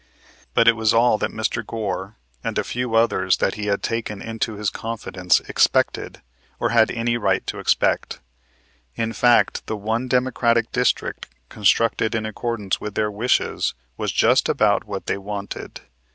But it was all that Mr. Goar and a few others that he had taken into his confidence expected, or had any right to expect. In fact, the one Democratic district, constructed in accordance with their wishes, was just about what they wanted.